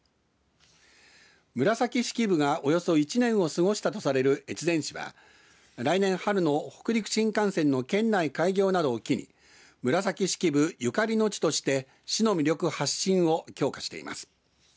紫式部がおよそ１年を過ごしたとされる越前市は来年春の北陸新幹線の県内開業などを機に紫式部ゆかりの地として市の魅力発信を強化しています。